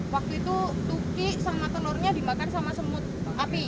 waktu itu tuki sama telurnya dimakan sama semut api